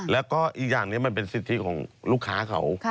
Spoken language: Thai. แล้วก็อีกอย่างนี้มันเป็นสิทธิของลูกค้าเขา